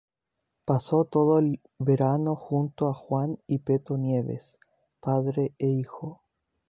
Pasó todo el verano junto a Juan y Peto Nieves, padre e hijo.